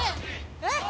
えっ？